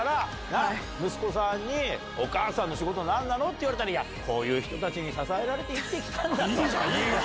息子さんに「お母さんの仕事何なの？」って言われたら「こういう人たちに支えられて生きてきたんだ」と。